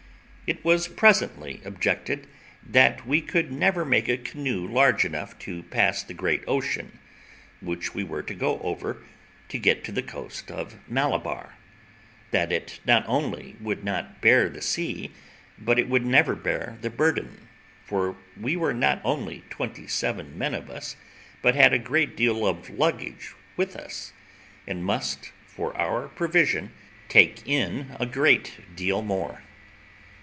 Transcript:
It was presently objected, that we could never make a canoe large enough to pass the great ocean, which we were to go over to get to the coast of Malabar; that it not only would not bear the sea, but it would never bear the burden, for we were not only twenty seven men of us, but had a great deal of luggage with us, and must, for our provision, take in a great deal more.